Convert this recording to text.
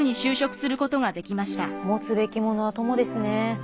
持つべきものは友ですね。